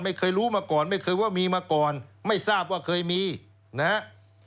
ไม่เคยรู้มาก่อนไม่เคยว่ามีมาก่อนไม่ทราบว่าเคยมีนะฮะ